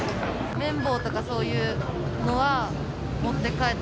綿棒とかそういうのは持って帰った。